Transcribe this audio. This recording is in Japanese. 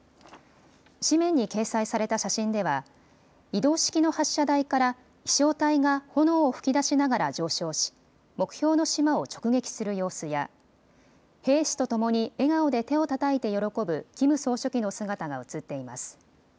紙面に掲載された写真では移動式の発射台から飛しょう体が炎を噴き出しながら上昇し目標の島を直撃する様子や兵士とともに笑顔で手をたたいて喜ぶキム総書記の姿が写っています。